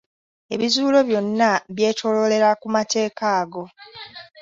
Ebizuulo byonna byetooloolera ku mateeka ago.